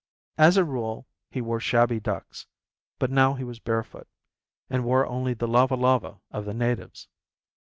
As a rule he wore shabby ducks, but now he was barefoot and wore only the lava lava of the natives.